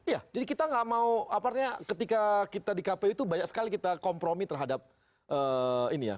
iya jadi kita gak mau apalagi ketika kita di kpu itu banyak sekali kita kompromi terhadap ini ya